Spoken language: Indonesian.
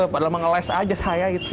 padahal mengeles aja saya gitu